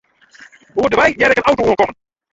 Oer de wei hear ik in auto oankommen.